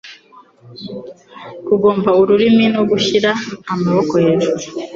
kugobwa ururimi no gushyira amaboko hejuru